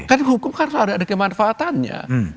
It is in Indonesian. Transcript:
kan hukum kan harus ada kemanfaatannya